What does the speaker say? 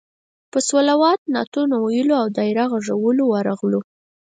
په صلوات، نعتونو ویلو او دایره غږولو ورغلو.